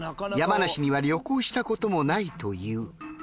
山梨には旅行したこともないという。